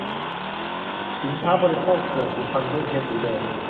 สินค้าบริโภคเถื่อน ถูกพันด้วยเทปสีแดง